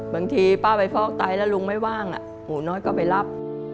บางทีป้าไปฟอกไตแล้วลุงไม่ว่างหมูน้อยก็ไปรับ